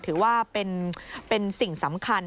ถือว่าเป็นสิ่งสำคัญ